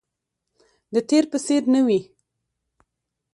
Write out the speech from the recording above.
د تیر په څیر نه وي